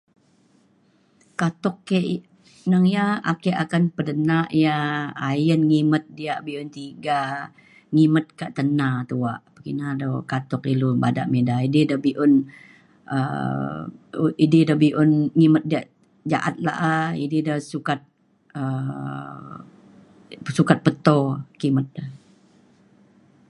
katok ik neng ya ake akan pedenak iya ayen ngimet jak bi'un tega ngimet ke tena tuak ina de katok ilu badak meda idi dek bi'un um idi dek bi'un ngimet jek jaat la'a idi dek sukat um sukat peto kimet le.